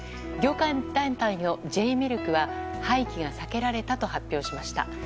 業界団体のＪミルクは廃棄が避けられたと発表しました。